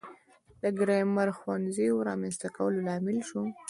د ګرامر ښوونځیو رامنځته کولو لامل شو.